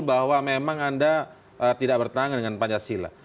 bahwa memang anda tidak bertentangan dengan pancasila